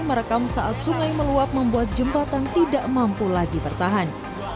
merekam saat sungai meluap membuat jembatan tidak mampu lagi bertahan